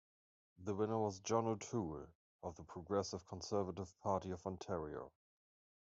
The winner was John O'Toole of the Progressive Conservative Party of Ontario.